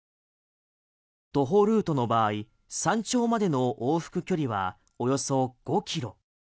徒歩ルートの場合山頂までの往復距離はおよそ５ｋｍ。